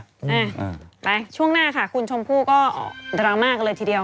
อ่าไปช่วงหน้าค่ะคุณชมพู่ก็ดราม่ากันเลยทีเดียว